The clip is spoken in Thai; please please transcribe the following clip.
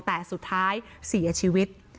แต่สุดท้ายเสียชีวิต